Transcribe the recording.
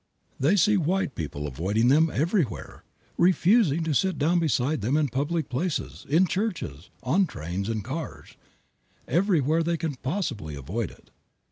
They see white people avoiding them everywhere; refusing to sit down beside them in public places, in churches, on trains and cars, everywhere they can possibly avoid it.